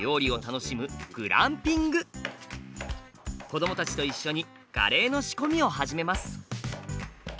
子どもたちと一緒にカレーの仕込みを始めます。